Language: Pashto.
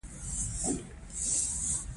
اته ورځې کم پنځه شپېته کاله، سوړ اسویلی یې وکړ.